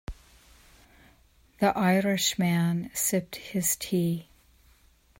The Irish man sipped his tea.